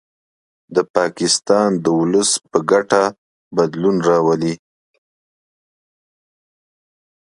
د پاکستان د ولس په ګټه بدلون راولي